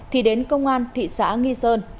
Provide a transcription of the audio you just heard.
thì đến công an thị xã nghi sơn